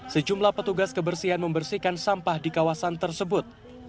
sejumlah petugas kebersihan membersihkan sampah di kawasan tersebut